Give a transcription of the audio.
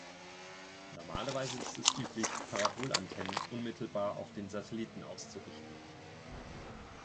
Normalerweise ist es üblich, Parabolantennen unmittelbar auf den Satelliten auszurichten.